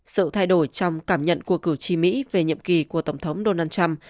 sự thay đổi trong cảm nhận của cử tri mỹ về nhiệm kỳ của tổng thống donald trump